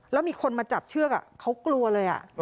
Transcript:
แล้วมีคนมาจับเชือกเขากลัวเลย